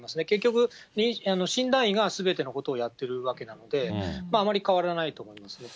結局、診断医がすべてのことをやってるわけなので、あまり変わらないと思います。